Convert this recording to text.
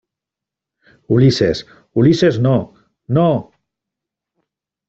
Ulises. ¡ Ulises, no! ¡ no !